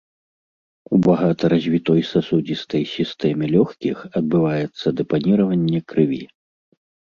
У багата развітой сасудзістай сістэме лёгкіх адбываецца дэпаніраванне крыві.